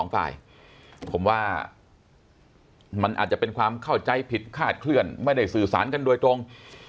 ฝ่ายผมว่ามันอาจจะเป็นความเข้าใจผิดคาดเคลื่อนไม่ได้สื่อสารกันโดยตรง